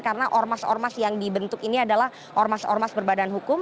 karena ormas ormas yang dibentuk ini adalah ormas ormas berbadan hukum